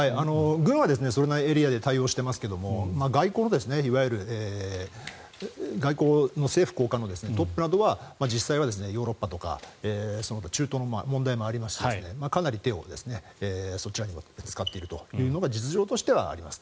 軍はそれなりにエリアで対応していますがいわゆる外交の政府高官のトップなどは実際はヨーロッパとかその他、中東の問題もありますしかなり手をそちらに使っているというのが実情としてはあります。